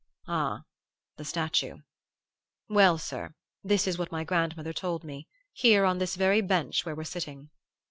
"Ah, the statue. Well, sir, this is what my grandmother told me, here on this very bench where we're sitting.